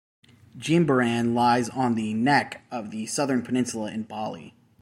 Jimbaran lies on the 'neck' of the southern peninsula in Bali.